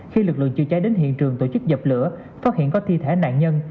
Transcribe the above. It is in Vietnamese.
khi lực lượng chữa cháy đến hiện trường tổ chức dập lửa phát hiện có thi thể nạn nhân